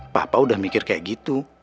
papa udah mikir kayak gitu